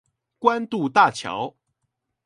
關渡大橋